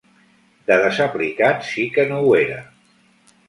De desaplicat si que no ho era.